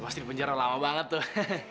pasti penjara lama banget tuh